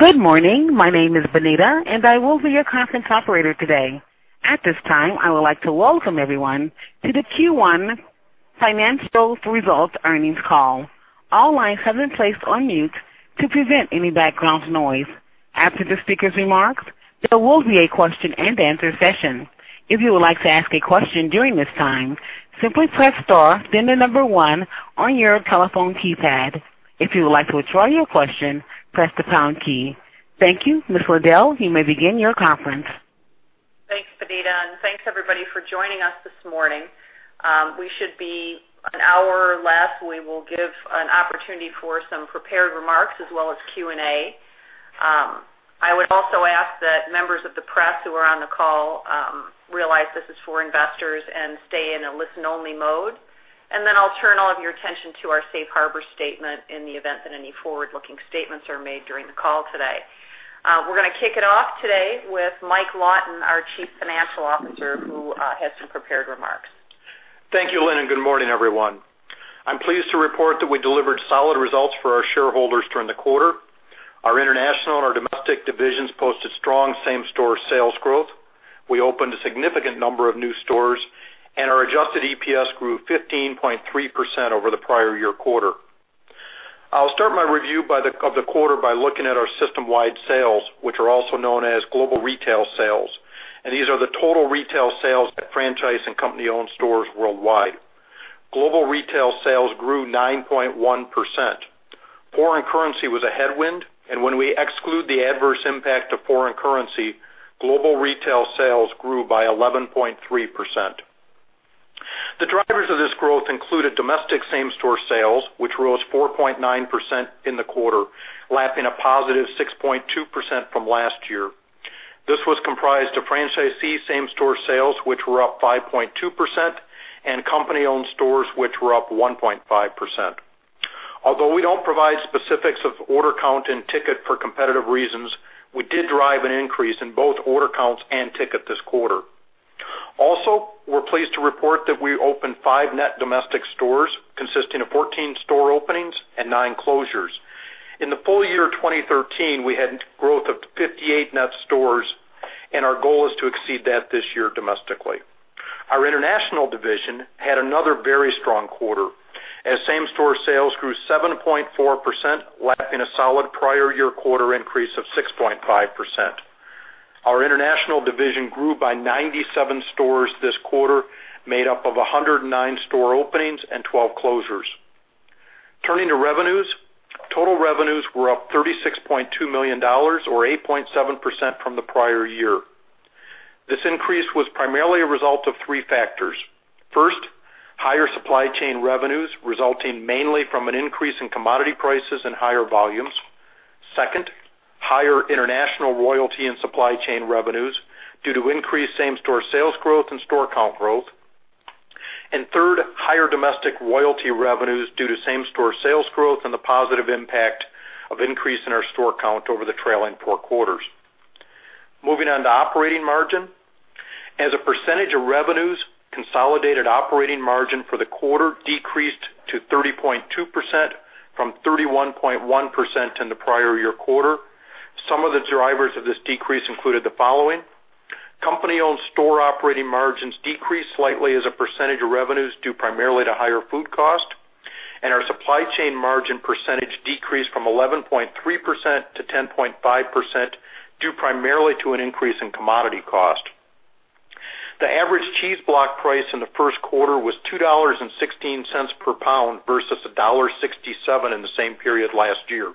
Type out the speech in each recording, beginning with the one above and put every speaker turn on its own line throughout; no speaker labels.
Good morning. My name is Bonita, and I will be your conference operator today. At this time, I would like to welcome everyone to the Q1 Financial Results Earnings Call. All lines have been placed on mute to prevent any background noise. After the speaker's remarks, there will be a question and answer session. If you would like to ask a question during this time, simply press star, then the number 1 on your telephone keypad. If you would like to withdraw your question, press the pound key. Thank you. Ms. Liddle, you may begin your conference.
Thanks, Bonita, thanks everybody for joining us this morning. We should be an hour or less. We will give an opportunity for some prepared remarks as well as Q&A. I would also ask that members of the press who are on the call realize this is for investors and stay in a listen-only mode. Then I'll turn all of your attention to our safe harbor statement in the event that any forward-looking statements are made during the call today. We're going to kick it off today with Michael Lawton, our Chief Financial Officer, who has some prepared remarks.
Thank you, Lynn, Good morning, everyone. I'm pleased to report that we delivered solid results for our shareholders during the quarter. Our international and our domestic divisions posted strong same-store sales growth. We opened a significant number of new stores, and our adjusted EPS grew 15.3% over the prior year quarter. I'll start my review of the quarter by looking at our system-wide sales, which are also known as global retail sales, and these are the total retail sales at franchise and company-owned stores worldwide. Global retail sales grew 9.1%. Foreign currency was a headwind. When we exclude the adverse impact of foreign currency, global retail sales grew by 11.3%. The drivers of this growth included domestic same-store sales, which rose 4.9% in the quarter, lapping a positive 6.2% from last year. This was comprised of franchisee same-store sales, which were up 5.2%, company-owned stores, which were up 1.5%. Although we don't provide specifics of order count and ticket for competitive reasons, we did drive an increase in both order counts and ticket this quarter. Also, we're pleased to report that we opened five net domestic stores consisting of 14 store openings and nine closures. In the full year 2013, we had growth of 58 net stores. Our goal is to exceed that this year domestically. Our international division had another very strong quarter, as same-store sales grew 7.4%, lapping a solid prior year quarter increase of 6.5%. Our international division grew by 97 stores this quarter, made up of 109 store openings and 12 closures. Turning to revenues, total revenues were up $36.2 million, or 8.7% from the prior year. This increase was primarily a result of three factors. First, higher supply chain revenues resulting mainly from an increase in commodity prices and higher volumes. Second, higher international royalty and supply chain revenues due to increased same-store sales growth and store count growth. Third, higher domestic royalty revenues due to same-store sales growth and the positive impact of increase in our store count over the trailing four quarters. Moving on to operating margin. As a percentage of revenues, consolidated operating margin for the quarter decreased to 30.2% from 31.1% in the prior year quarter. Some of the drivers of this decrease included the following. Company-owned store operating margins decreased slightly as a percentage of revenues, due primarily to higher food cost, and our supply chain margin percentage decreased from 11.3% to 10.5%, due primarily to an increase in commodity cost. The average cheese block price in the first quarter was $2.16 per pound versus $1.67 in the same period last year.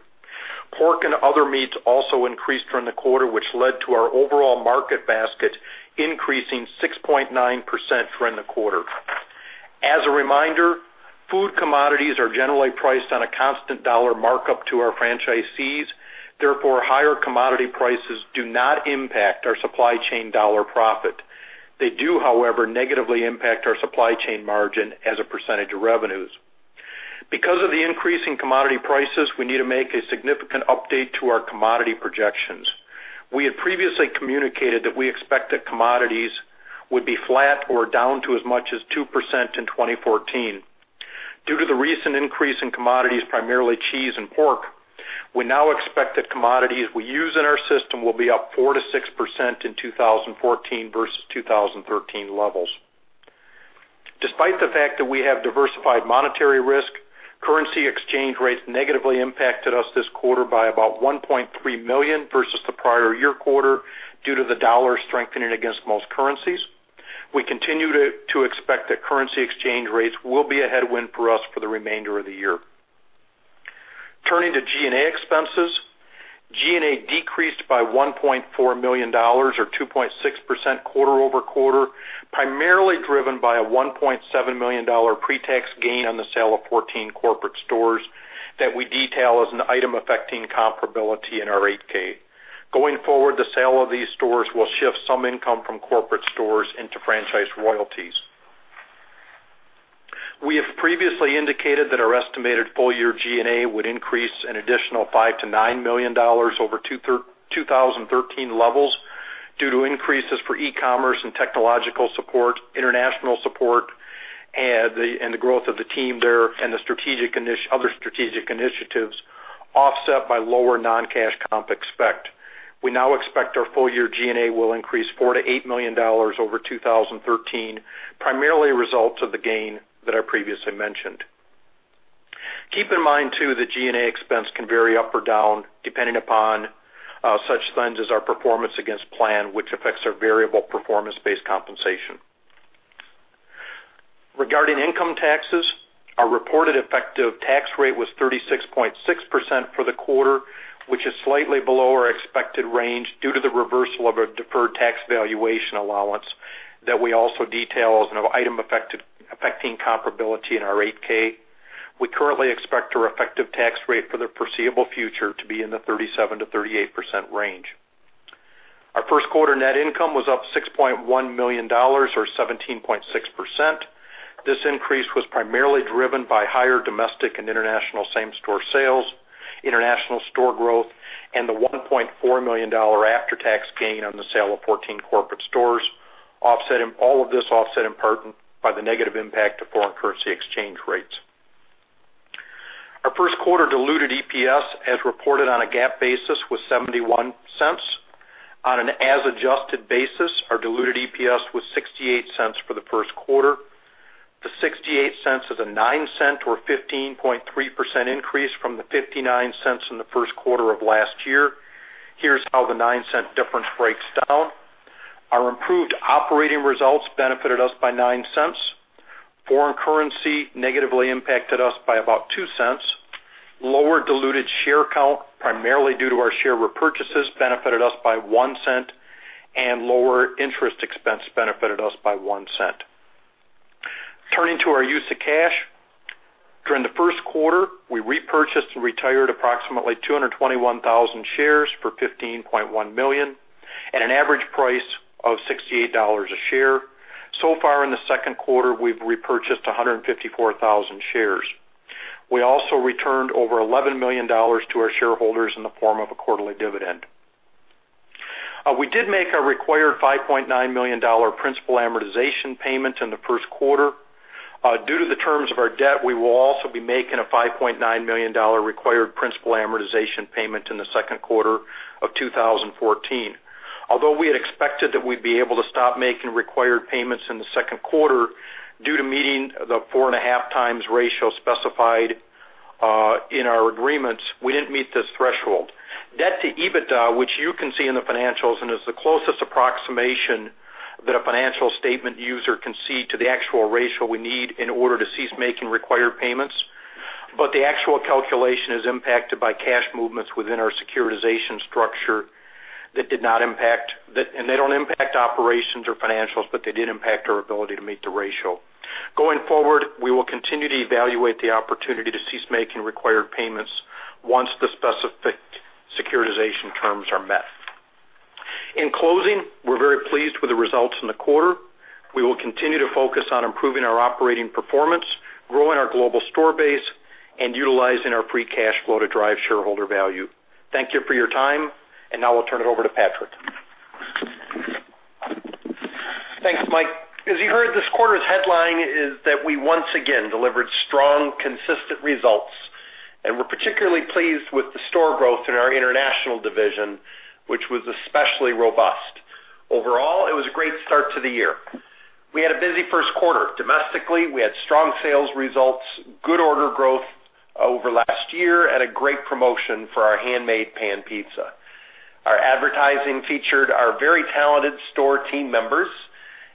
Pork and other meats also increased during the quarter, which led to our overall market basket increasing 6.9% during the quarter. As a reminder, food commodities are generally priced on a constant dollar markup to our franchisees. Therefore, higher commodity prices do not impact our supply chain dollar profit. They do, however, negatively impact our supply chain margin as a percentage of revenues. Because of the increase in commodity prices, we need to make a significant update to our commodity projections. We had previously communicated that we expect that commodities would be flat or down to as much as 2% in 2014. Due to the recent increase in commodities, primarily cheese and pork, we now expect that commodities we use in our system will be up 4%-6% in 2014 versus 2013 levels. Despite the fact that we have diversified monetary risk, currency exchange rates negatively impacted us this quarter by about $1.3 million versus the prior year quarter due to the dollar strengthening against most currencies. We continue to expect that currency exchange rates will be a headwind for us for the remainder of the year. Turning to G&A expenses. G&A decreased by $1.4 million, or 2.6% quarter-over-quarter, primarily driven by a $1.7 million pre-tax gain on the sale of 14 corporate stores that we detail as an item affecting comparability in our 8-K. Going forward, the sale of these stores will shift some income from corporate stores into franchise royalties. We have previously indicated that our estimated full-year G&A would increase an additional $5 million-$9 million over 2013 levels Due to increases for e-commerce and technological support, international support, and the growth of the team there and the other strategic initiatives, offset by lower non-cash comp expect. We now expect our full-year G&A will increase $4 million-$8 million over 2013, primarily a result of the gain that I previously mentioned. Keep in mind too, that G&A expense can vary up or down depending upon such things as our performance against plan, which affects our variable performance-based compensation. Regarding income taxes, our reported effective tax rate was 36.6% for the quarter, which is slightly below our expected range due to the reversal of a deferred tax valuation allowance that we also detail as an item affecting comparability in our 8-K. We currently expect our effective tax rate for the foreseeable future to be in the 37%-38% range. Our first quarter net income was up $6.1 million, or 17.6%. This increase was primarily driven by higher domestic and international same-store sales, international store growth, and the $1.4 million after-tax gain on the sale of 14 corporate stores, all of this offset in part by the negative impact of foreign currency exchange rates. Our first quarter diluted EPS, as reported on a GAAP basis, was $0.71. On an as-adjusted basis, our diluted EPS was $0.68 for the first quarter. The $0.68 is a $0.09 or 15.3% increase from the $0.59 in the first quarter of last year. Here's how the $0.09 difference breaks down. Our improved operating results benefited us by $0.09. Foreign currency negatively impacted us by about $0.02. Lower diluted share count, primarily due to our share repurchases, benefited us by $0.01, and lower interest expense benefited us by $0.01. Turning to our use of cash. During the first quarter, we repurchased and retired approximately 221,000 shares for $15.1 million at an average price of $68 a share. In the second quarter, we've repurchased 154,000 shares. We also returned over $11 million to our shareholders in the form of a quarterly dividend. We did make a required $5.9 million principal amortization payment in the first quarter. Due to the terms of our debt, we will also be making a $5.9 million required principal amortization payment in the second quarter of 2014. Although we had expected that we'd be able to stop making required payments in the second quarter due to meeting the 4.5 times ratio specified in our agreements, we didn't meet this threshold. Debt to EBITDA, which you can see in the financials and is the closest approximation that a financial statement user can see to the actual ratio we need in order to cease making required payments. The actual calculation is impacted by cash movements within our securitization structure and they don't impact operations or financials, but they did impact our ability to meet the ratio. Going forward, we will continue to evaluate the opportunity to cease making required payments once the specific securitization terms are met. In closing, we're very pleased with the results in the quarter. We will continue to focus on improving our operating performance, growing our global store base, and utilizing our free cash flow to drive shareholder value. Thank you for your time, and now I'll turn it over to Patrick.
Thanks, Mike. As you heard, this quarter's headline is that we once again delivered strong, consistent results, and we're particularly pleased with the store growth in our international division, which was especially robust. Overall, it was a great start to the year. We had a busy first quarter. Domestically, we had strong sales results, good order growth over last year, and a great promotion for our Handmade Pan Pizza. Our advertising featured our very talented store team members,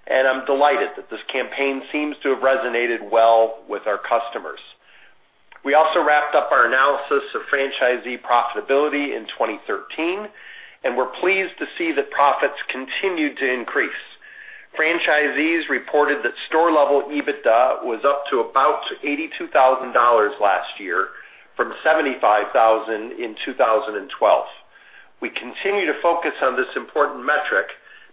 and I'm delighted that this campaign seems to have resonated well with our customers. We also wrapped up our analysis of franchisee profitability in 2013, and we're pleased to see that profits continued to increase. Franchisees reported that store-level EBITDA was up to about $82,000 last year from $75,000 in 2012. We continue to focus on this important metric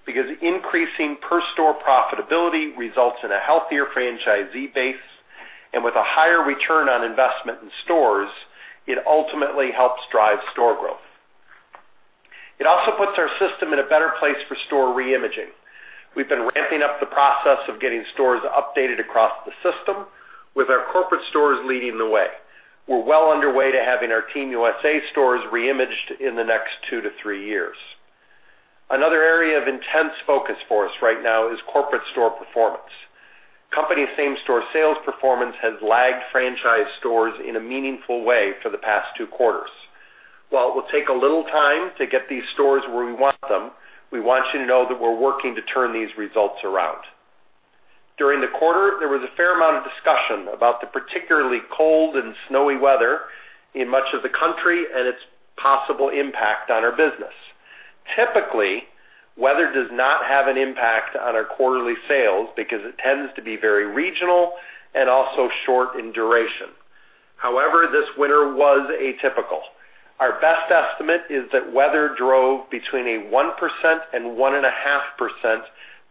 because increasing per store profitability results in a healthier franchisee base. With a higher return on investment in stores, it ultimately helps drive store growth. It also puts our system in a better place for store reimaging. We've been ramping up the process of getting stores updated across the system with our corporate stores leading the way. We're well underway to having our Team USA stores reimaged in the next two to three years. Another area of intense focus for us right now is corporate store performance. Company same-store sales performance has lagged franchise stores in a meaningful way for the past two quarters. While it will take a little time to get these stores where we want them, we want you to know that we're working to turn these results around. During the quarter, there was a fair amount of discussion about the particularly cold and snowy weather in much of the country and its possible impact on our business. Typically, weather does not have an impact on our quarterly sales because it tends to be very regional and also short in duration. However, this winter was atypical. Our best estimate is that weather drove between a 1% and 1.5%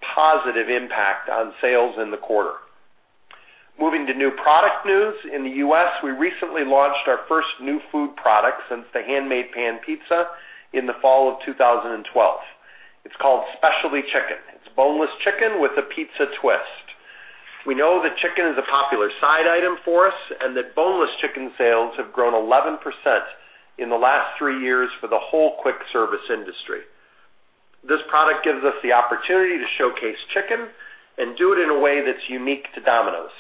positive impact on sales in the quarter. Moving to new product news. In the U.S., we recently launched our first new food product since the Handmade Pan Pizza in the fall of 2012. It's called Specialty Chicken. It's boneless chicken with a pizza twist. We know that chicken is a popular side item for us and that boneless chicken sales have grown 11% in the last three years for the whole quick service industry. This product gives us the opportunity to showcase chicken and do it in a way that's unique to Domino's.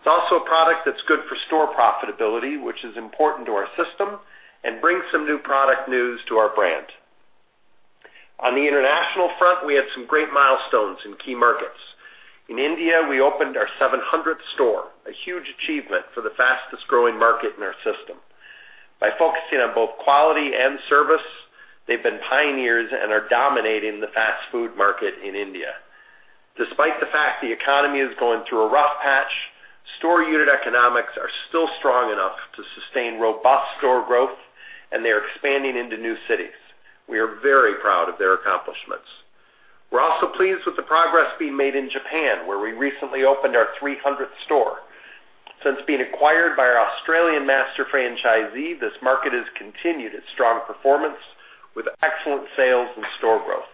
It's also a product that's good for store profitability, which is important to our system, and brings some new product news to our brand. On the international front, we had some great milestones in key markets. In India, we opened our 700th store, a huge achievement for the fastest-growing market in our system. By focusing on both quality and service, they've been pioneers and are dominating the fast food market in India. Despite the fact the economy is going through a rough patch, store unit economics are still strong enough to sustain robust store growth, and they are expanding into new cities. We are very proud of their accomplishments. We're also pleased with the progress being made in Japan, where we recently opened our 300th store. Since being acquired by our Australian master franchisee, this market has continued its strong performance with excellent sales and store growth.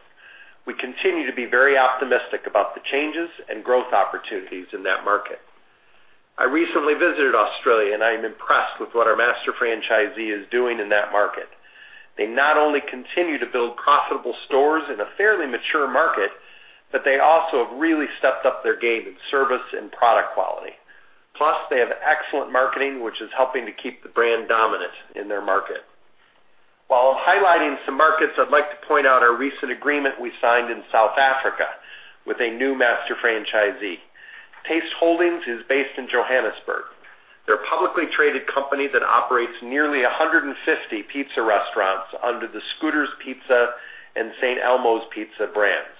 We continue to be very optimistic about the changes and growth opportunities in that market. I recently visited Australia, and I am impressed with what our master franchisee is doing in that market. They not only continue to build profitable stores in a fairly mature market, but they also have really stepped up their game in service and product quality. Plus, they have excellent marketing, which is helping to keep the brand dominant in their market. While highlighting some markets, I'd like to point out a recent agreement we signed in South Africa with a new master franchisee. Taste Holdings is based in Johannesburg. They're a publicly traded company that operates nearly 150 pizza restaurants under the Scooters Pizza and St. Elmo's Pizza brands.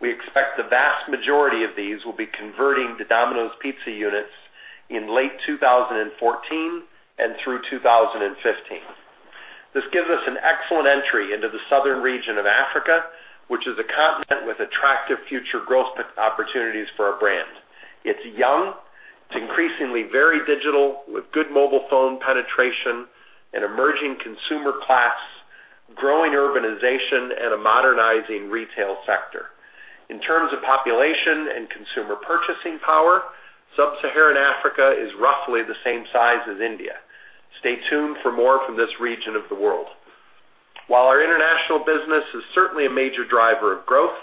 We expect the vast majority of these will be converting to Domino's Pizza units in late 2014 and through 2015. This gives us an excellent entry into the southern region of Africa, which is a continent with attractive future growth opportunities for our brand. It's young. It's increasingly very digital, with good mobile phone penetration, an emerging consumer class, growing urbanization, and a modernizing retail sector. In terms of population and consumer purchasing power, sub-Saharan Africa is roughly the same size as India. Stay tuned for more from this region of the world. While our international business is certainly a major driver of growth,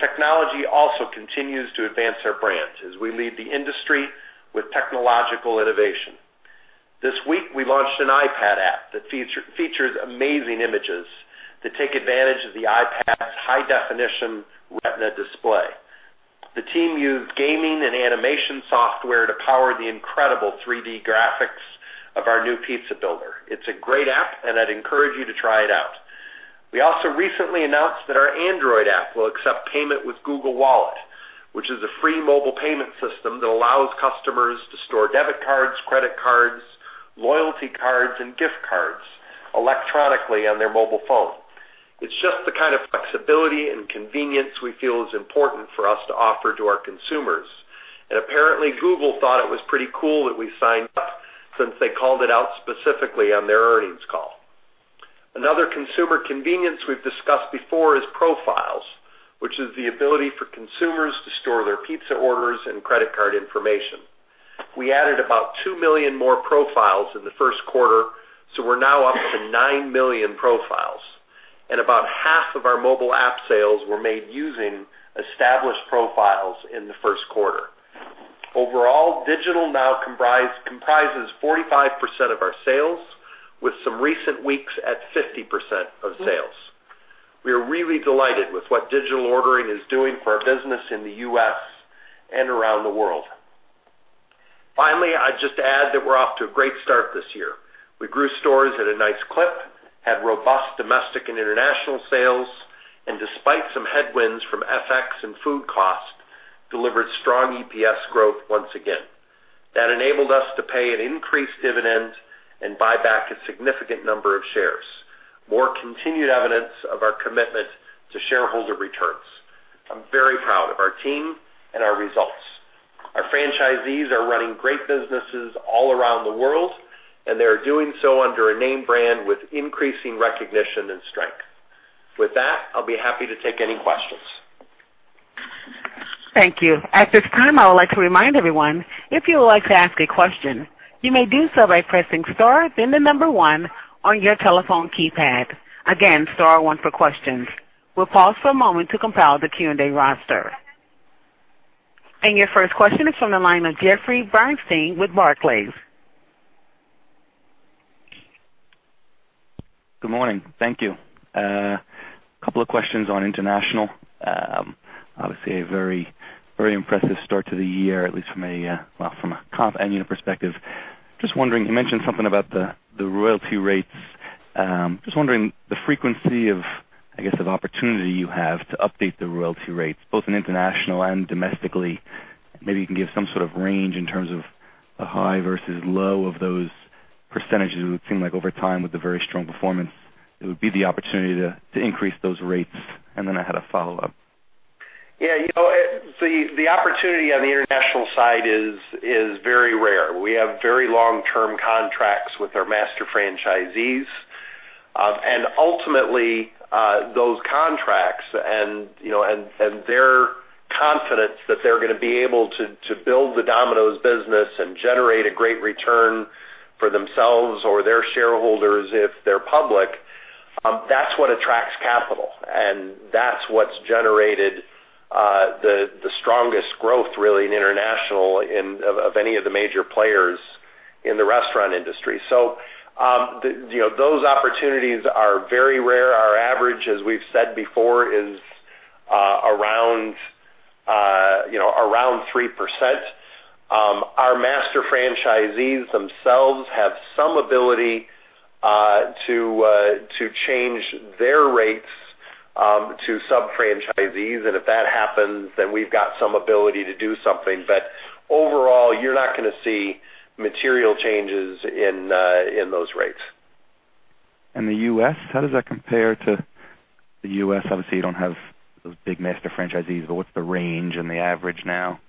technology also continues to advance our brand as we lead the industry with technological innovation. This week, we launched an iPad app that features amazing images that take advantage of the iPad's high-definition Retina display. The team used gaming and animation software to power the incredible 3D graphics of our new pizza builder. It's a great app, and I'd encourage you to try it out. We also recently announced that our Android app will accept payment with Google Wallet, which is a free mobile payment system that allows customers to store debit cards, credit cards, loyalty cards, and gift cards electronically on their mobile phone. It's just the kind of flexibility and convenience we feel is important for us to offer to our consumers. Apparently, Google thought it was pretty cool that we signed up since they called it out specifically on their earnings call. Another consumer convenience we've discussed before is profiles, which is the ability for consumers to store their pizza orders and credit card information. We added about 2 million more profiles in the first quarter, so we're now up to 9 million profiles. About half of our mobile app sales were made using established profiles in the first quarter. Overall, digital now comprises 45% of our sales, with some recent weeks at 50% of sales. We are really delighted with what digital ordering is doing for our business in the U.S. and around the world. Finally, I'd just add that we're off to a great start this year. We grew stores at a nice clip, had robust domestic and international sales, and despite some headwinds from FX and food cost, delivered strong EPS growth once again. That enabled us to pay an increased dividend and buy back a significant number of shares. More continued evidence of our commitment to shareholder returns. I'm very proud of our team and our results. Our franchisees are running great businesses all around the world, and they are doing so under a name brand with increasing recognition and strength. With that, I'll be happy to take any questions.
Thank you. At this time, I would like to remind everyone, if you would like to ask a question, you may do so by pressing star then the number one on your telephone keypad. Again, star one for questions. We'll pause for a moment to compile the Q&A roster. Your first question is from the line of Jeffrey Bernstein with Barclays.
Good morning. Thank you. A couple of questions on international. Obviously, a very impressive start to the year, at least from a comp and unit perspective. Just wondering, you mentioned something about the royalty rates. Just wondering the frequency of, I guess, the opportunity you have to update the royalty rates, both in international and domestically. Maybe you can give some sort of range in terms of A high versus low of those percentages. It would seem like over time, with the very strong performance, it would be the opportunity to increase those rates. I had a follow-up.
Yeah. The opportunity on the international side is very rare. We have very long-term contracts with our master franchisees. Ultimately, those contracts and their confidence that they're going to be able to build the Domino's business and generate a great return for themselves or their shareholders if they're public, that's what attracts capital. That's what's generated the strongest growth, really, in international of any of the major players in the restaurant industry. Those opportunities are very rare. Our average, as we've said before, is around 3%. Our master franchisees themselves have some ability to change their rates to sub-franchisees. If that happens, then we've got some ability to do something. Overall, you're not going to see material changes in those rates.
The U.S., how does that compare to the U.S.? Obviously, you don't have those big master franchisees, but what's the range and the average now?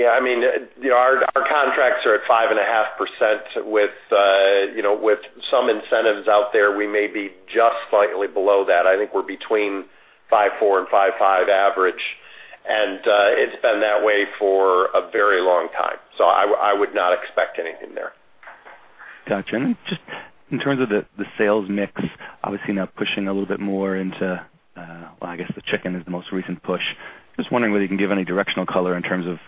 Yeah. Our contracts are at 5.5% with some incentives out there, we may be just slightly below that. I think we're between 5.4 and 5.5 average. It's been that way for a very long time, so I would not expect anything there.
Got you. Just in terms of the sales mix, obviously now pushing a little bit more, well, I guess, the chicken is the most recent push. Just wondering whether you can give any directional color in terms of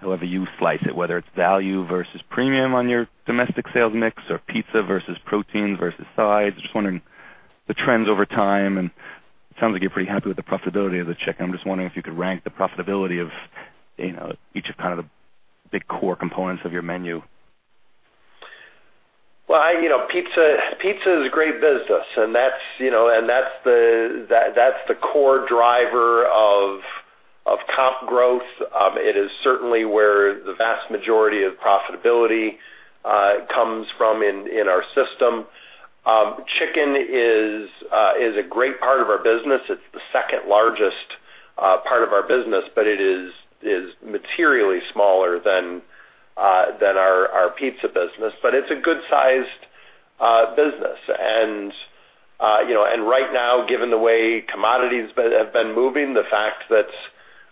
however you slice it, whether it's value versus premium on your domestic sales mix or pizza versus protein versus sides. Just wondering the trends over time, and it sounds like you're pretty happy with the profitability of the chicken. I'm just wondering if you could rank the profitability of each of the big core components of your menu.
Well, pizza is a great business, that's the core driver of comp growth. It is certainly where the vast majority of profitability comes from in our system. Chicken is a great part of our business. It's the second-largest part of our business, but it is materially smaller than our pizza business. It's a good-sized business. Right now, given the way commodities have been moving, the fact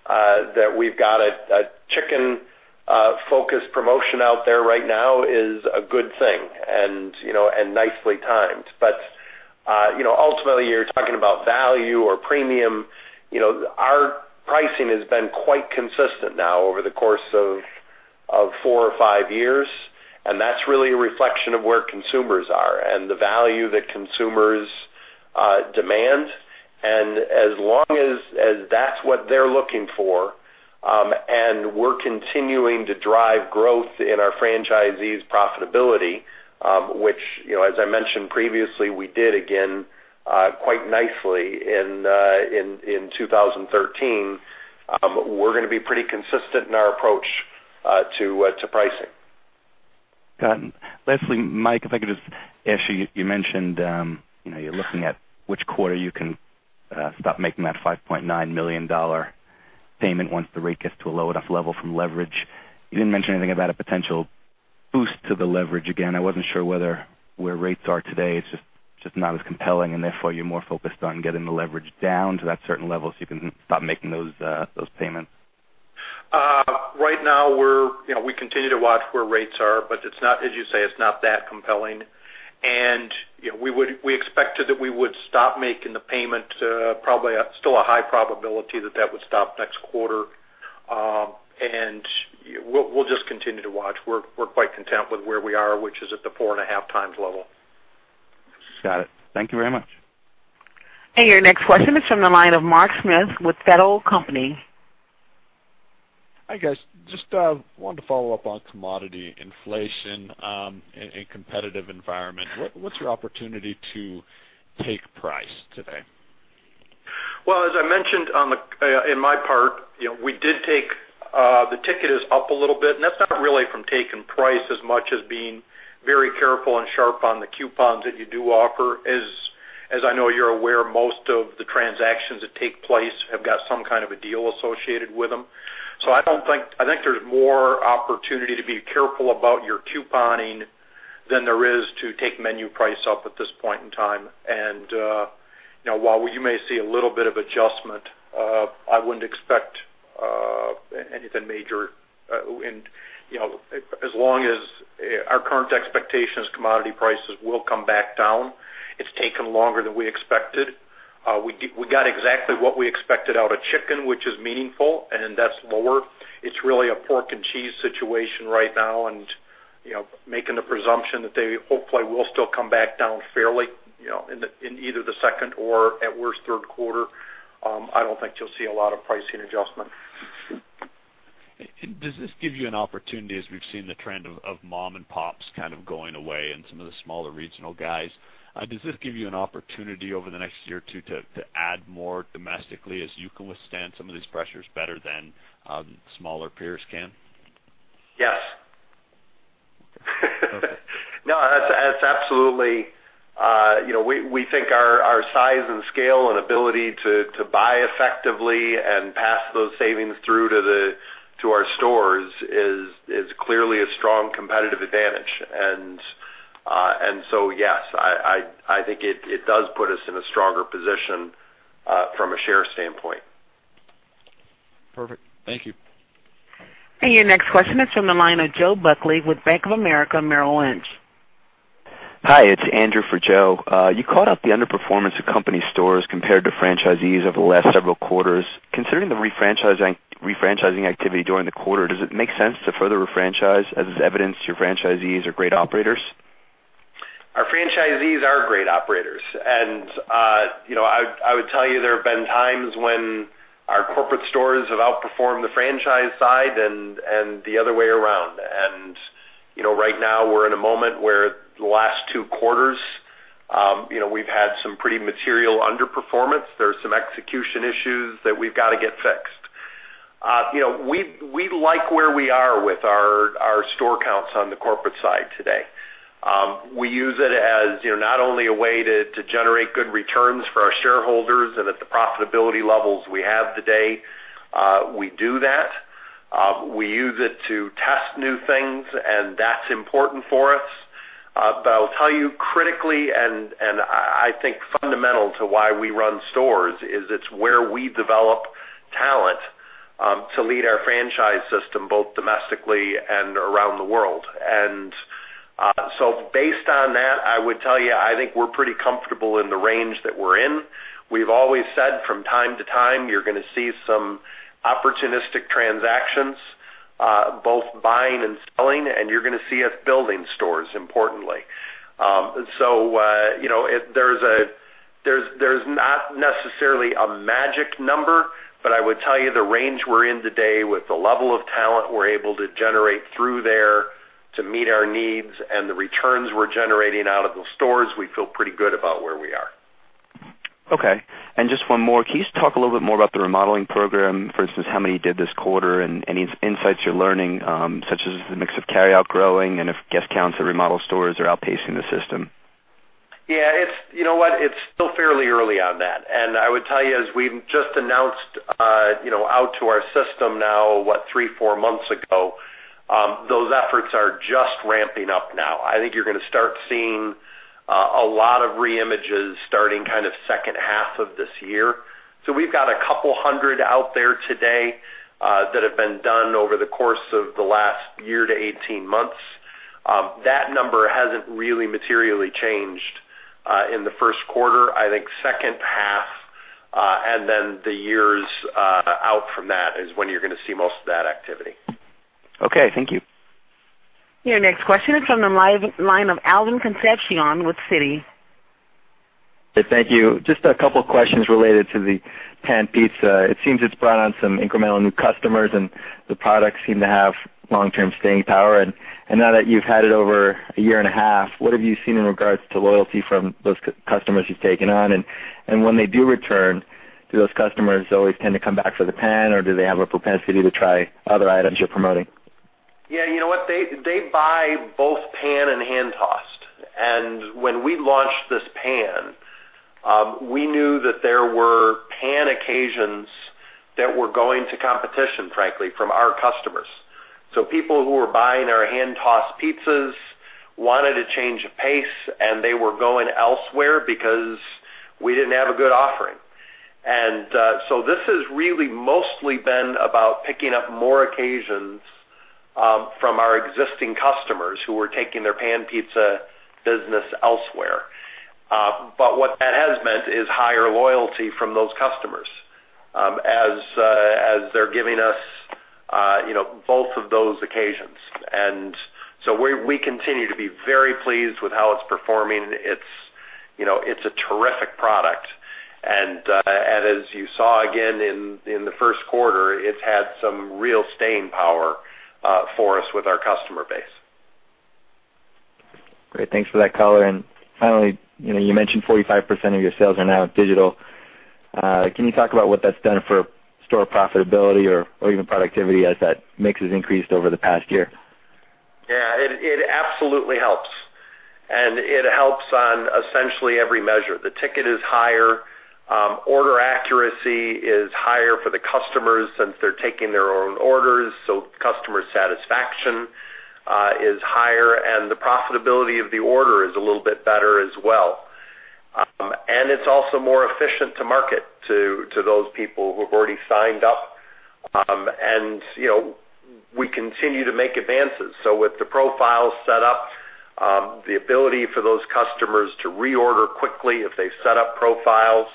that we've got a chicken-focused promotion out there right now is a good thing and nicely timed. Ultimately, you're talking about value or premium. Our pricing has been quite consistent now over the course of four or five years, and that's really a reflection of where consumers are and the value that consumers demand. As long as that's what they're looking for, and we're continuing to drive growth in our franchisees' profitability, which, as I mentioned previously, we did again quite nicely in 2013, we're going to be pretty consistent in our approach to pricing.
Got it. Lastly, Mike, if I could just ask you mentioned you're looking at which quarter you can stop making that $5.9 million payment once the rate gets to a low enough level from leverage. You didn't mention anything about a potential boost to the leverage. Again, I wasn't sure whether where rates are today, it's just not as compelling, and therefore, you're more focused on getting the leverage down to that certain level so you can stop making those payments.
Right now, we continue to watch where rates are, but as you say, it's not that compelling. We expected that we would stop making the payment, probably still a high probability that that would stop next quarter. We'll just continue to watch. We're quite content with where we are, which is at the four and a half times level.
Got it. Thank you very much.
Your next question is from the line of Mark Smith with Feltl & Company.
Hi, guys. Just wanted to follow up on commodity inflation in a competitive environment. What's your opportunity to take price today?
Well, as I mentioned in my part, the ticket is up a little bit, and that's not really from taking price as much as being very careful and sharp on the coupons that you do offer. As I know you're aware, most of the transactions that take place have got some kind of a deal associated with them. I think there's more opportunity to be careful about your couponing than there is to take menu price up at this point in time. While you may see a little bit of adjustment, I wouldn't expect anything major. As long as our current expectation is commodity prices will come back down. It's taken longer than we expected. We got exactly what we expected out of chicken, which is meaningful, and that's lower. It's really a pork and cheese situation right now, and making the presumption that they hopefully will still come back down fairly in either the second or at worst third quarter. I don't think you'll see a lot of pricing adjustment.
Does this give you an opportunity, as we've seen the trend of mom and pops kind of going away and some of the smaller regional guys, does this give you an opportunity over the next year or two to add more domestically as you can withstand some of these pressures better than smaller peers can?
Yes, that's absolutely. We think our size and scale and ability to buy effectively and pass those savings through to our stores is clearly a strong competitive advantage. Yes, I think it does put us in a stronger position, from a share standpoint.
Perfect. Thank you.
Your next question is from the line of Joseph Buckley with Bank of America Merrill Lynch.
Hi, it's Andrew for Joe. You called out the underperformance of company stores compared to franchisees over the last several quarters. Considering the refranchising activity during the quarter, does it make sense to further refranchise, as is evidenced your franchisees are great operators?
Our franchisees are great operators. I would tell you there have been times when our corporate stores have outperformed the franchise side and the other way around. Right now we're in a moment where the last two quarters we've had some pretty material underperformance. There's some execution issues that we've got to get fixed. We like where we are with our store counts on the corporate side today. We use it as not only a way to generate good returns for our shareholders, and at the profitability levels we have today, we do that. We use it to test new things, and that's important for us. I'll tell you critically, and I think fundamental to why we run stores, is it's where we develop talent to lead our franchise system both domestically and around the world. Based on that, I would tell you, I think we're pretty comfortable in the range that we're in. We've always said from time to time you're going to see some opportunistic transactions, both buying and selling, and you're going to see us building stores importantly. There's not necessarily a magic number, but I would tell you the range we're in today with the level of talent we're able to generate through there to meet our needs and the returns we're generating out of those stores, we feel pretty good about where we are.
Okay. Just one more. Can you just talk a little bit more about the remodeling program, for instance, how many you did this quarter, and any insights you're learning, such as the mix of carryout growing and if guest counts at remodel stores are outpacing the system?
Yeah. You know what, it's still fairly early on that. I would tell you, as we just announced out to our system now, what, three, four months ago, those efforts are just ramping up now. I think you're going to start seeing a lot of reimages starting kind of second half of this year. We've got a couple hundred out there today, that have been done over the course of the last year to 18 months. That number hasn't really materially changed in the first quarter. I think second half, and then the years out from that is when you're going to see most of that activity.
Okay. Thank you.
Your next question is from the line of Alvin Concepcion with Citi.
Thank you. Just a couple questions related to the pan pizza. It seems it's brought on some incremental new customers, and the products seem to have long-term staying power. Now that you've had it over a year and a half, what have you seen in regards to loyalty from those customers you've taken on? When they do return, do those customers always tend to come back for the pan or do they have a propensity to try other items you're promoting?
Yeah. You know what? They buy both pan and hand-tossed. When we launched this pan, we knew that there were pan occasions that were going to competition, frankly, from our customers. People who were buying our hand-tossed pizzas wanted a change of pace, and they were going elsewhere because we didn't have a good offering. This has really mostly been about picking up more occasions from our existing customers who were taking their pan pizza business elsewhere. What that has meant is higher loyalty from those customers as they're giving us both of those occasions. We continue to be very pleased with how it's performing. It's a terrific product. As you saw again in the first quarter, it's had some real staying power for us with our customer base.
Great. Thanks for that color. Finally, you mentioned 45% of your sales are now digital. Can you talk about what that's done for store profitability or even productivity as that mix has increased over the past year?
Yeah, it absolutely helps. It helps on essentially every measure. The ticket is higher. Order accuracy is higher for the customers since they're taking their own orders, customer satisfaction is higher, and the profitability of the order is a little bit better as well. It's also more efficient to market to those people who have already signed up. We continue to make advances. With the profiles set up, the ability for those customers to reorder quickly if they set up profiles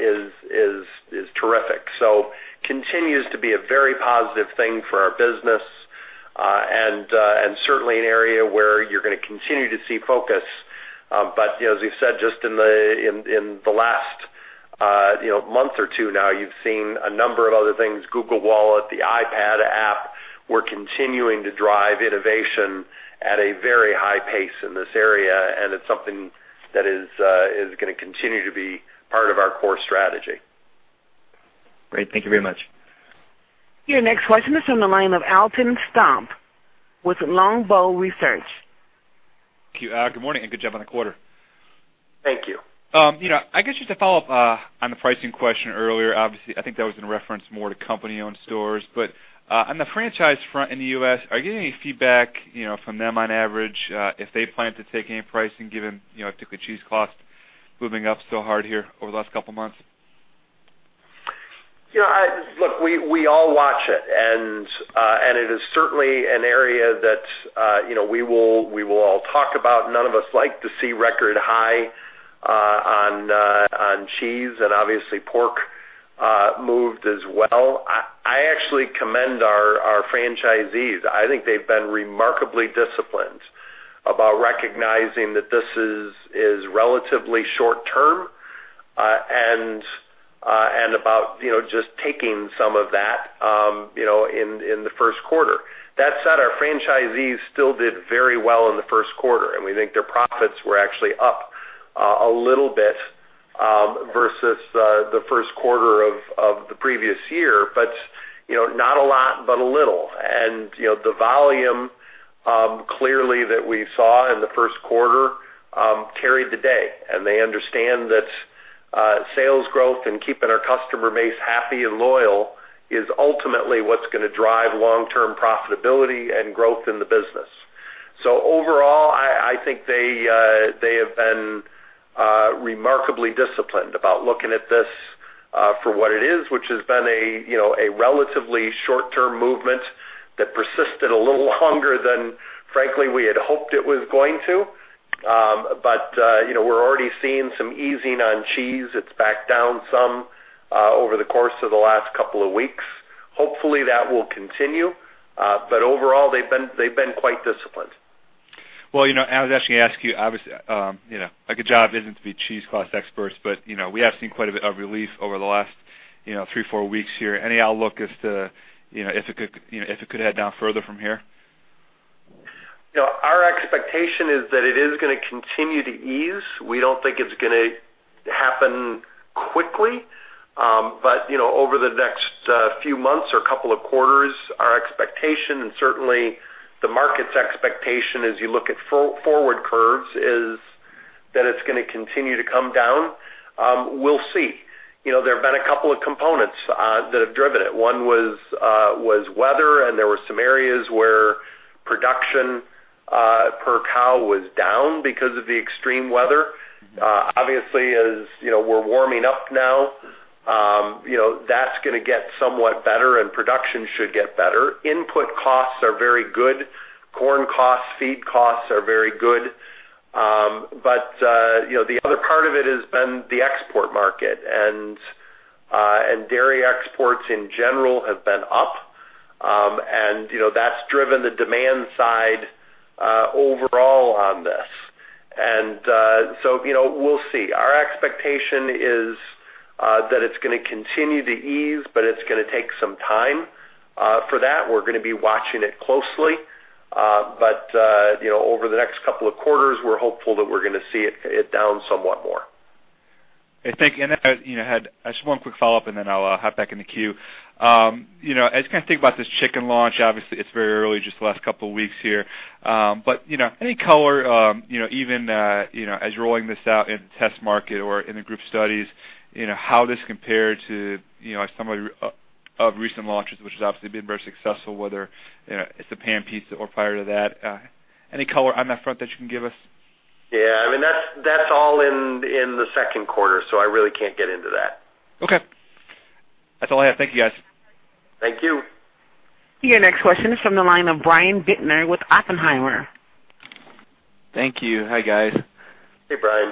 is terrific. Continues to be a very positive thing for our business, and certainly an area where you're going to continue to see focus. As we said, just in the last month or two now, you've seen a number of other things, Google Wallet, the iPad app. We're continuing to drive innovation at a very high pace in this area, and it's something that is going to continue to be part of our core strategy.
Great. Thank you very much.
Your next question is on the line of Alton Stump with Longbow Research.
Thank you. Good morning, and good job on the quarter.
Thank you.
I guess just to follow up on the pricing question earlier, obviously, I think that was in reference more to company-owned stores. On the franchise front in the U.S., are you getting any feedback from them on average, if they plan to take any pricing given, particularly cheese costs moving up so hard here over the last couple of months?
Look, we all watch it, and it is certainly an area that we will all talk about. None of us like to see record high on cheese, and obviously pork moved as well. I actually commend our franchisees. I think they've been remarkably disciplined about recognizing that this is relatively short-term, and about just taking some of that in the first quarter. That said, our franchisees still did very well in the first quarter, and we think their profits were actually up a little bit versus the first quarter of the previous year. Not a lot, but a little. The volume, clearly, that we saw in the first quarter carried the day. They understand that sales growth and keeping our customer base happy and loyal is ultimately what's going to drive long-term profitability and growth in the business. Overall, I think they have been remarkably disciplined about looking at this for what it is, which has been a relatively short-term movement that persisted a little longer than, frankly, we had hoped it was going to. We're already seeing some easing on cheese. It's backed down some over the course of the last couple of weeks. Hopefully, that will continue. Overall, they've been quite disciplined.
Well, I was actually going to ask you, obviously, a good job isn't to be cheese cost experts, but we have seen quite a bit of relief over the last three, four weeks here. Any outlook if it could head down further from here?
Our expectation is that it is going to continue to ease. We don't think it's going to happen quickly. Over the next few months or couple of quarters, our expectation, and certainly the market's expectation as you look at forward curves, is that it's going to continue to come down. We'll see. There have been a couple of components that have driven it. One was weather, and there were some areas where production per cow was down because of the extreme weather. Obviously, as we're warming up now, that's going to get somewhat better and production should get better. Input costs are very good. Corn costs, feed costs are very good. The other part of it has been the export market, dairy exports in general have been up. That's driven the demand side overall on this. We'll see. Our expectation is that it's going to continue to ease, it's going to take some time. For that, we're going to be watching it closely. Over the next couple of quarters, we're hopeful that we're going to see it down somewhat more.
Thank you. I just have one quick follow-up, I'll hop back in the queue. As you kind of think about this Chicken launch, obviously it's very early, just the last couple of weeks here. Any color, even as you're rolling this out in test market or in the group studies, how this compared to some of recent launches, which has obviously been very successful, whether it's a Pan Pizza or prior to that. Any color on that front that you can give us?
Yeah. That's all in the second quarter, I really can't get into that.
Okay. That's all I have. Thank you, guys.
Thank you.
Your next question is from the line of Brian Bittner with Oppenheimer.
Thank you. Hi, guys.
Hey, Brian.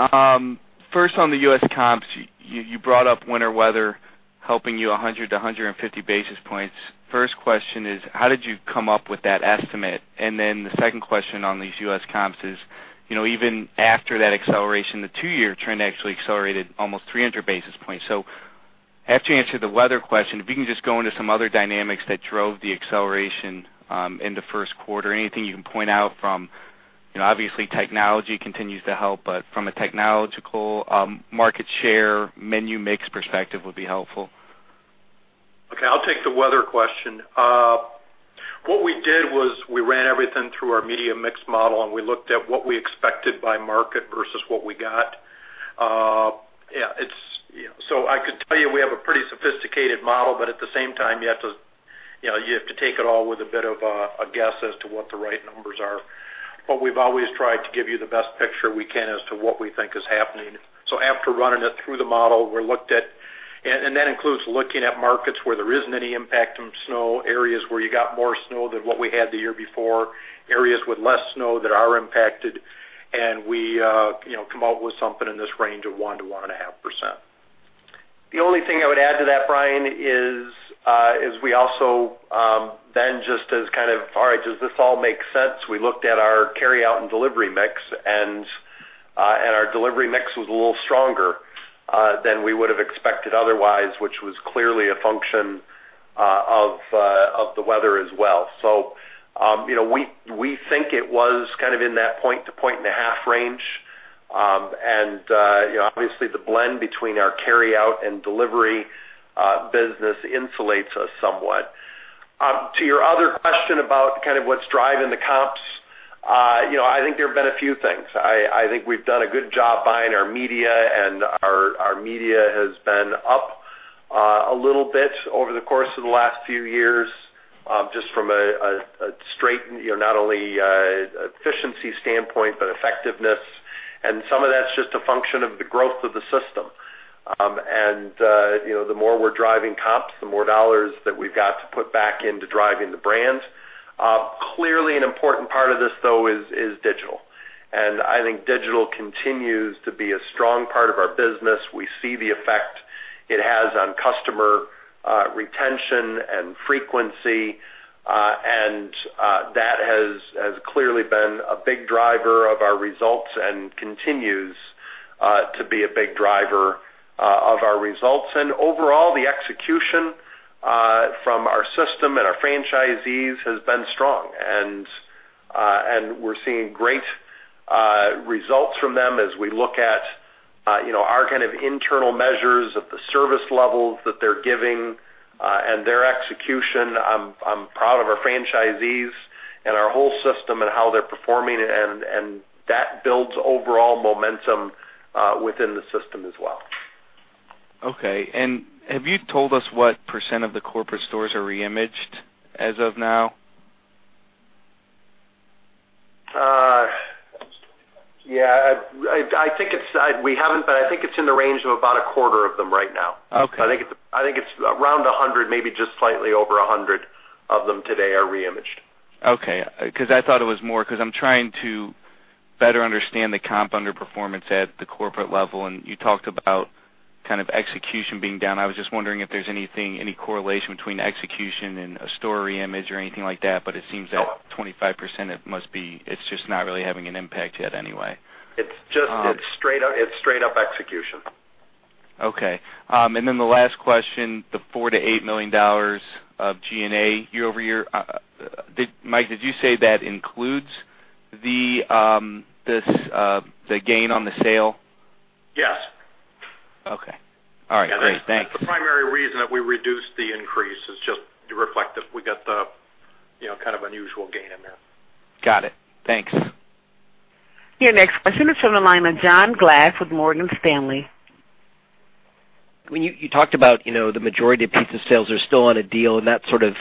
Brian.
First, on the U.S. comps, you brought up winter weather helping you 100-150 basis points. First question is, how did you come up with that estimate? The second question on these U.S. comps is, even after that acceleration, the two-year trend actually accelerated almost 300 basis points. After you answer the weather question, if you can just go into some other dynamics that drove the acceleration in the first quarter. Anything you can point out from obviously technology continues to help, but from a technological market share, menu mix perspective would be helpful.
Okay, I'll take the weather question. What we did was we ran everything through our media mix model. We looked at what we expected by market versus what we got. I could tell you we have a pretty sophisticated model, but at the same time, you have to take it all with a bit of a guess as to what the right numbers are. We've always tried to give you the best picture we can as to what we think is happening. After running it through the model, that includes looking at markets where there isn't any impact from snow, areas where you got more snow than what we had the year before, areas with less snow that are impacted, we come out with something in this range of 1%-1.5%.
The only thing I would add to that, Brian, is we also then just as kind of, all right, does this all make sense? We looked at our carryout and delivery mix. Our delivery mix was a little stronger than we would have expected otherwise, which was clearly a function of the weather as well. We think it was kind of in that point to point and a half range. Obviously the blend between our carry-out and delivery business insulates us somewhat. To your other question about kind of what's driving the comps. I think there've been a few things. I think we've done a good job buying our media. Our media has been up a little bit over the course of the last few years, just from a straight, not only efficiency standpoint, but effectiveness. Some of that's just a function of the growth of the system. The more we're driving comps, the more dollars that we've got to put back into driving the brands. Clearly an important part of this though is digital. I think digital continues to be a strong part of our business. We see the effect it has on customer retention and frequency. That has clearly been a big driver of our results and continues to be a big driver of our results. Overall, the execution from our system and our franchisees has been strong, and we're seeing great results from them as we look at our kind of internal measures of the service levels that they're giving, and their execution. I'm proud of our franchisees and our whole system and how they're performing, and that builds overall momentum within the system as well.
Okay. Have you told us what % of the corporate stores are re-imaged as of now?
Yeah. We haven't, but I think it's in the range of about a quarter of them right now.
Okay.
I think it's around 100, maybe just slightly over 100 of them today are re-imaged.
Okay. Because I thought it was more, because I am trying to better understand the comp underperformance at the corporate level, and you talked about kind of execution being down. I was just wondering if there is anything, any correlation between execution and a store re-image or anything like that. But it seems that.
No
25%, it is just not really having an impact yet anyway.
It is straight up execution.
Okay. The last question, the $4 million-$8 million of G&A year-over-year. Mike, did you say that includes the gain on the sale?
Yes.
Okay. All right, great. Thanks.
That's the primary reason that we reduced the increase is just to reflect that we got the kind of unusual gain in there.
Got it. Thanks.
Your next question is from the line of John Glass with Morgan Stanley.
When you talked about the majority of pizza sales are still on a deal, that sort of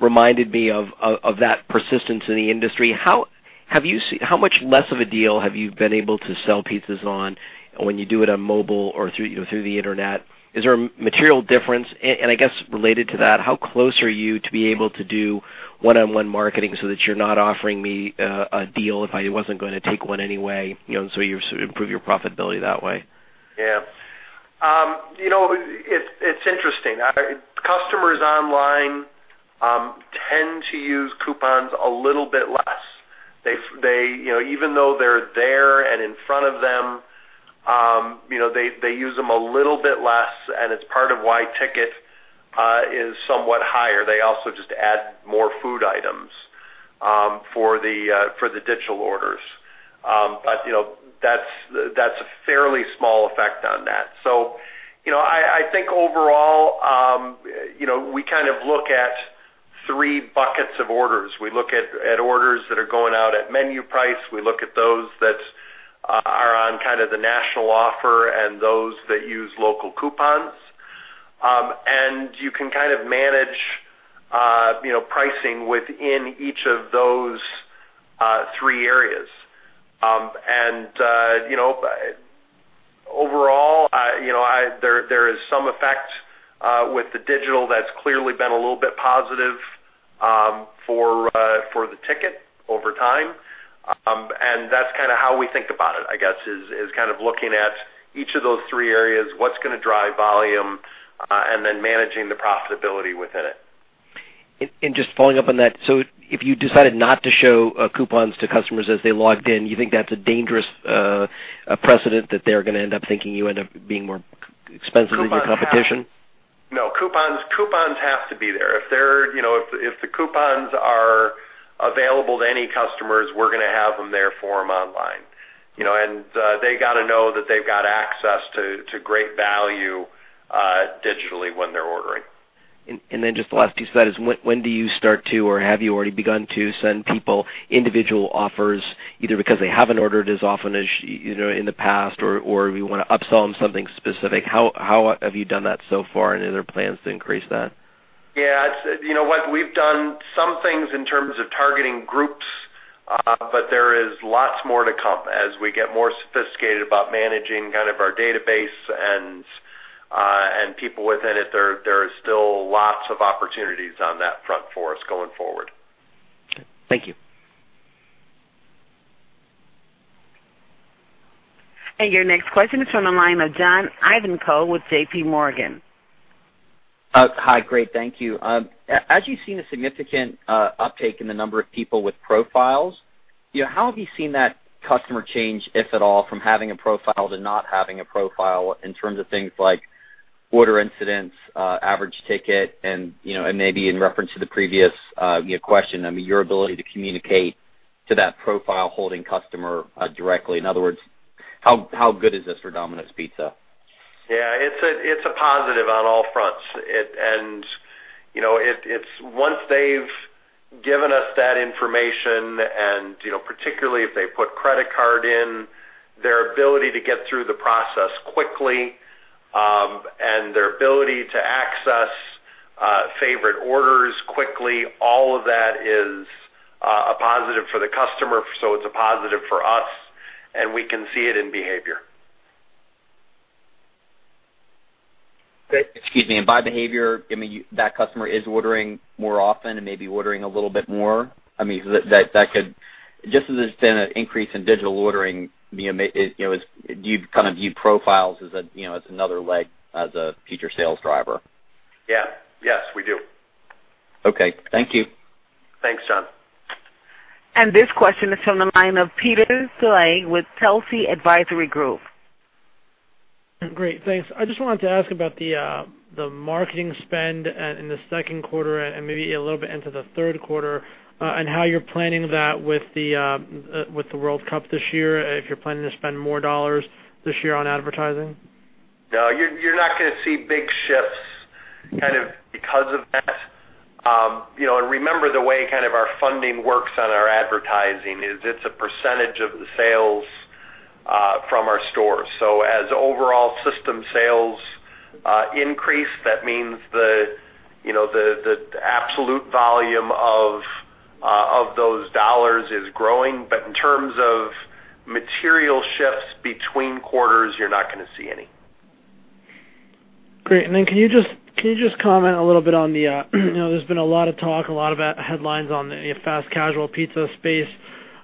reminded me of that persistence in the industry. How much less of a deal have you been able to sell pizzas on when you do it on mobile or through the internet? Is there a material difference? I guess related to that, how close are you to be able to do one-on-one marketing so that you're not offering me a deal if I wasn't going to take one anyway, so you improve your profitability that way?
Yeah. It's interesting. Customers online tend to use coupons a little bit less. Even though they're there and in front of them, they use them a little bit less, and it's part of why ticket is somewhat higher. They also just add more food items for the digital orders. That's a fairly small effect on that. I think overall, we kind of look at three buckets of orders. We look at orders that are going out at menu price. We look at those that are on kind of the national offer and those that use local coupons. You can kind of manage pricing within each of those three areas. Overall, there is some effect with the digital that's clearly been a little bit positive for the ticket over time. That's kind of how we think about it, I guess, is kind of looking at each of those three areas, what's going to drive volume, and then managing the profitability within it.
Just following up on that, if you decided not to show coupons to customers as they logged in, do you think that's a dangerous precedent that they're going to end up thinking you end up being more expensive than your competition?
No. Coupons have to be there. If the coupons are available to any customers, we're going to have them there for them online. They got to know that they've got access to great value digitally when they're ordering.
Just the last piece of that is when do you start to, or have you already begun to send people individual offers, either because they haven't ordered as often in the past or we want to upsell them something specific? How have you done that so far, and are there plans to increase that?
Yeah. You know what? We've done some things in terms of targeting groups, there is lots more to come as we get more sophisticated about managing kind of our database and people within it. There is still lots of opportunities on that front for us going forward.
Okay. Thank you.
Your next question is from the line of John Ivankoe with J.P. Morgan.
Hi, great. Thank you. As you've seen a significant uptake in the number of people with profiles, how have you seen that customer change, if at all, from having a profile to not having a profile in terms of things like order incidence, average ticket, and maybe in reference to the previous question, I mean, your ability to communicate to that profile-holding customer directly? In other words, how good is this for Domino's Pizza?
Yeah, it's a positive on all fronts. Once they've given us that information, and particularly if they put credit card in, their ability to get through the process quickly, and their ability to access favorite orders quickly, all of that is a positive for the customer, so it's a positive for us, and we can see it in behavior.
Excuse me, by behavior, that customer is ordering more often and maybe ordering a little bit more? I mean, just as it's been an increase in digital ordering, do you view profiles as another leg as a future sales driver?
Yeah. Yes, we do.
Okay. Thank you.
Thanks, John.
This question is from the line of Peter Saleh with Telsey Advisory Group.
Great. Thanks. I just wanted to ask about the marketing spend in the second quarter and maybe a little bit into the third quarter, and how you're planning that with the World Cup this year, if you're planning to spend more dollars this year on advertising.
No, you're not going to see big shifts kind of because of that. Remember the way our funding works on our advertising is it's a percentage of the sales from our stores. As overall system sales increase, that means the absolute volume of those dollars is growing. In terms of material shifts between quarters, you're not going to see any.
Great. Can you just comment a little bit on the There's been a lot of talk, a lot of headlines on the fast casual pizza space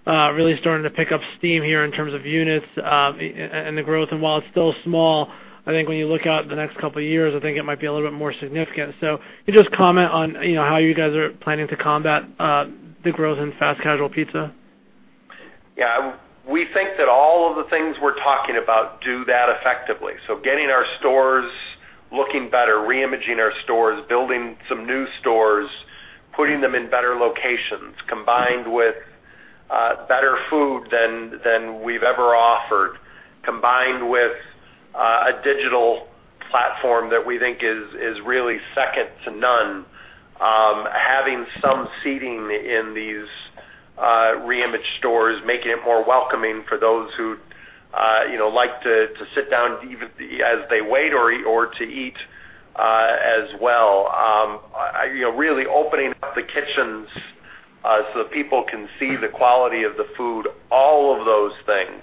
really starting to pick up steam here in terms of units and the growth. While it's still small, I think when you look out the next couple of years, I think it might be a little bit more significant. Can you just comment on how you guys are planning to combat the growth in fast casual pizza?
Yeah. We think that all of the things we're talking about do that effectively. Getting our stores looking better, re-imaging our stores, building some new stores, putting them in better locations, combined with better food than we've ever offered, combined with a digital platform that we think is really second to none. Having some seating in these re-imaged stores, making it more welcoming for those who like to sit down as they wait or to eat as well. Really opening up the kitchens so people can see the quality of the food. All of those things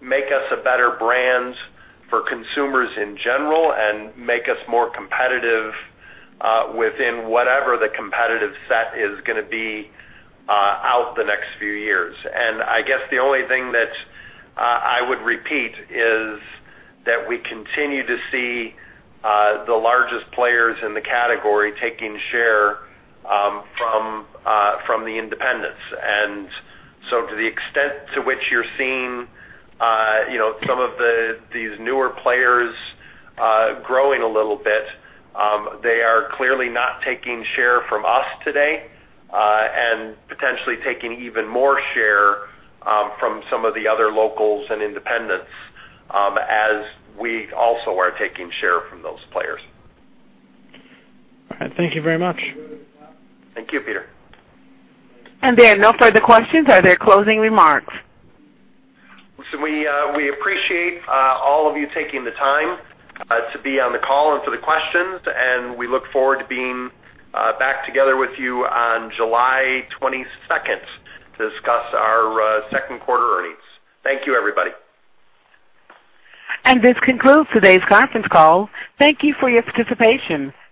make us a better brand for consumers in general and make us more competitive within whatever the competitive set is going to be out the next few years. I guess the only thing that I would repeat is that we continue to see the largest players in the category taking share from the independents. To the extent to which you're seeing some of these newer players growing a little bit, they are clearly not taking share from us today, and potentially taking even more share from some of the other locals and independents, as we also are taking share from those players.
All right. Thank you very much.
Thank you, Peter.
There are no further questions. Are there closing remarks?
Listen, we appreciate all of you taking the time to be on the call and for the questions, and we look forward to being back together with you on July 22nd to discuss our second quarter earnings. Thank you, everybody.
This concludes today's conference call. Thank you for your participation.